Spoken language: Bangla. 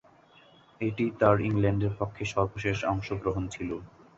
এটিই তার ইংল্যান্ডের পক্ষে সর্বশেষ অংশগ্রহণ ছিল।